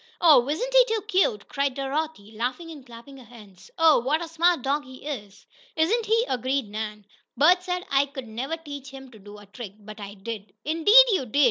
"Oh, isn't he too cute!" cried Dorothy, laughing and clapping her hands. "Oh, what a smart dog he is!" "Isn't he!" agreed Nan. "Bert said I never could teach him to do a trick, but I did." "Indeed you did!"